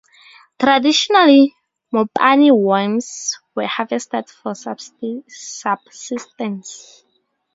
Traditionally, mopane worms were harvested for subsistence.